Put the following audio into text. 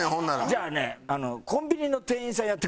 じゃあねコンビニの店員さんやってくれる？